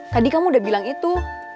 tadi kamu udah bilang itu